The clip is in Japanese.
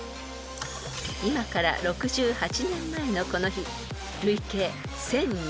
［今から６８年前のこの日］